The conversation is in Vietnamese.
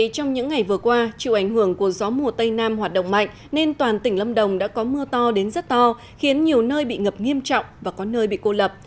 trong những ngày vừa qua chịu ảnh hưởng của gió mùa tây nam hoạt động mạnh nên toàn tỉnh lâm đồng đã có mưa to đến rất to khiến nhiều nơi bị ngập nghiêm trọng và có nơi bị cô lập